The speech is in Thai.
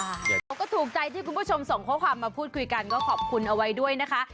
เขาก็ถูกใจที่คุณผู้ชมส่งข้อความมาพูดคุยกันก็ขอบคุณเอาไว้ด้วยนะคะ